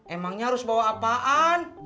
emangnya harus bawa apaan